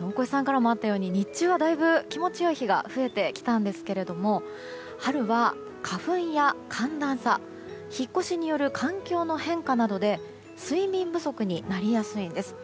大越さんからもあったように日中はだいぶ気持ちいい日が増えてきたんですが春は花粉や寒暖差引っ越しによる環境の変化などで睡眠不足になりやすいんです。